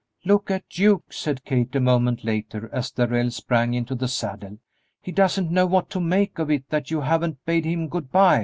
"Look at Duke," said Kate, a moment later, as Darrell sprang into the saddle; "he doesn't know what to make of it that you haven't bade him good by."